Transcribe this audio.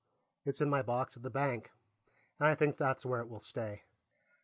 It's in my box at the bank, and I think that's where it will stay.